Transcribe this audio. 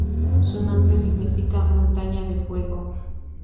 Su nombre significa ""Montaña de fuego"".